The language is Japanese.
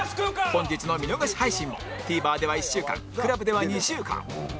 本日の見逃し配信も ＴＶｅｒ では１週間 ＣＬＵＢ では２週間